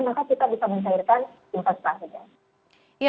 maka kita bisa mencairkan investasinya